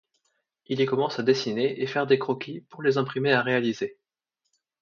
Il y commence à dessiner et faire des croquis pour les imprimés à réaliser.